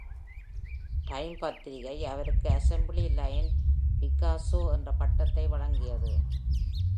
"Time" பத்திரிக்கை அவருக்கு "Assembly-Line Picasso" என்ற பட்டத்தை வழங்கியது.